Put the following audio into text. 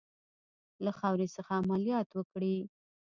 له خاورې څخه عملیات وکړي.